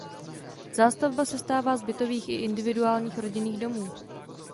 Zástavba sestává z bytových i individuálních rodinných domů.